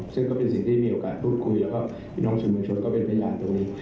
ซึ่งก็เป็นสิ่งที่มีโอกาสพูดคุยกับพี่น้องชนมือโชสก็เป็นพยานตรงนี้